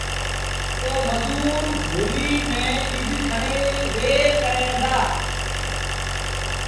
پو مزور جھولي ميݩ ٻج کڻي وهير ڪريݩ دآ